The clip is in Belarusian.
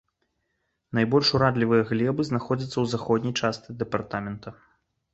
Найбольш урадлівыя глебы знаходзяцца ў заходняй частцы дэпартамента.